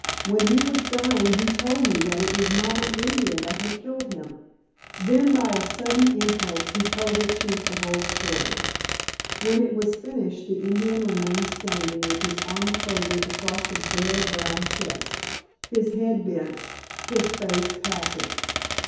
When he was dying he told me that it was not an Indian that had killed him." Then by a sudden impulse he told the chief the whole story. When it was finished the Indian remained standing with his arms folded across his bare brown chest, his head bent, his face impassive.